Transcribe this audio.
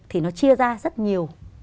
thì nó chia ra rất nhiều